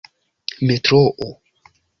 metroo